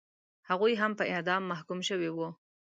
هغوی هم په اعدام محکوم شوي وو.